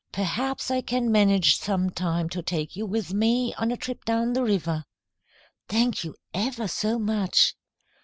Perhaps I can manage sometime to take you with me on a trip down the river." "Thank you ever so much."